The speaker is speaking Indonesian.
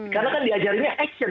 karena kan diajarinnya action